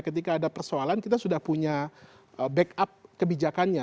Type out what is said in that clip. ketika ada persoalan kita sudah punya backup kebijakannya